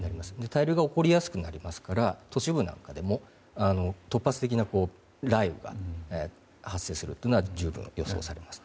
滞留が起こりやすくなりますから都市部なんかでも、突発的な雷雨が発生するというのは十分予想されます。